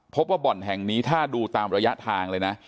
บ่อนแห่งนี้ถ้าดูตามระยะทางเลยนะ